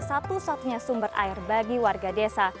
satu satunya sumber air bagi warga desa